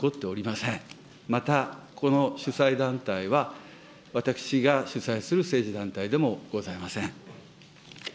また、この主催団体は私が主催する政治団体でもございません。